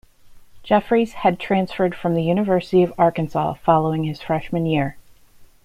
Jefferies had transferred from the University of Arkansas following his freshman year.